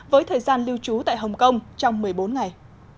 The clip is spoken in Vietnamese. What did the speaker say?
với thời gian lưu trú tại hồng kông trong một mươi bốn ngày